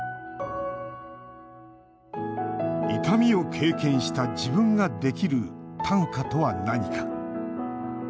痛みを経験した自分ができる短歌とは何か。